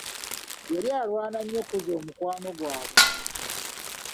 Yali alwana nnyo okuzza omukwano gwabwe.